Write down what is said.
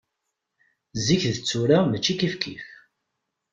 Zik d tura mačči kif kif.